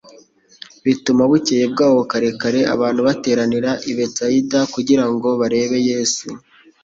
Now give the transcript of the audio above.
bituma bukcye bwaho kare kare, abantu bateranira i Betsaida kugira ngo barebe Yesu.